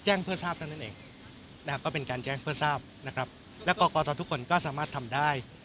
เพื่อทราบเท่านั้นเองนะครับก็เป็นการแจ้งเพื่อทราบนะครับและกรกตทุกคนก็สามารถทำได้